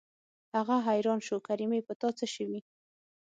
هغه حيران شو کریمې په تا څه شوي.